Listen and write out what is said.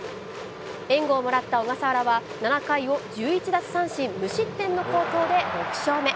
援護をもらった小笠原は、７回を１１奪三振無失点の好投で６勝目。